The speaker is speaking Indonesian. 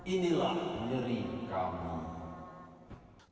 inilah nyeri kami